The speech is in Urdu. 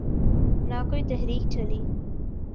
نہ کوئی تحریک چلی۔